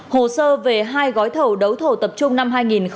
hồ sơ về hai gói thầu đấu thầu tập trung năm hai nghìn một mươi chín